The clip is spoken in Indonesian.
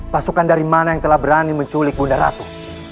pasukan dari mana yang telah berani menculik bunda ratu